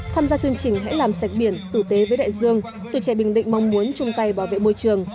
tham gia chương trình hãy làm sạch biển tử tế với đại dương tuổi trẻ bình định mong muốn chung tay bảo vệ môi trường